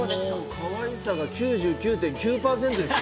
かわいさが９９．９％ですよ。